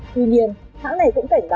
tuy nhiên hãng này cũng cảnh báo